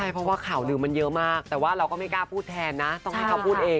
เพราะว่าข่าวลืมมันเยอะมากแต่ว่าเราก็ไม่กล้าพูดแทนนะต้องให้เขาพูดเอง